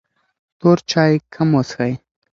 تور چای کم وڅښئ.